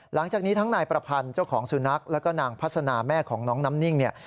หลังจากนี้ทั้งนายประพันธ์เจ้าของสุนัขแล้วก็นางพัฒนาแม่ของน้องน้ำนิ่งเนี่ย